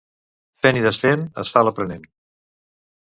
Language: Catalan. Fent i desfent, es fa l'aprenent.